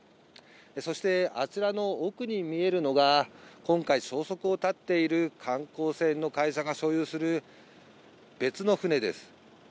そしてあちらの奥に見えるのが、今回、消息を絶っている観光船の会社が所有する別の船です。